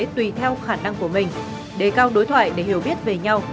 tùy theo khả năng của mình đề cao đối thoại để hiểu biết về nhau